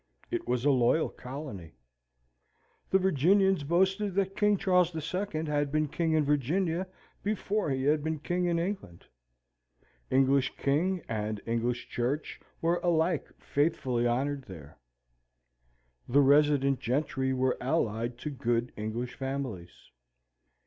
It was a loyal colony. The Virginians boasted that King Charles II. had been king in Virginia before he had been king in England. English king and English church were alike faithfully honoured there. The resident gentry were allied to good English families.